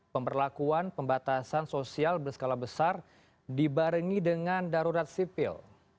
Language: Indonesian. pemberlakuan pembatasan sosial berskala besar dibarengi dengan darurat sipil